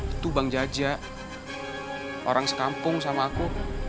itu bang jaja orang sekampung sama aku